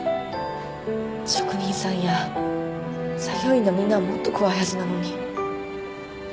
職人さんや作業員のみんなはもっと怖いはずなのに。